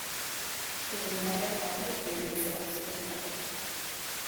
It was another record year in sales for the company.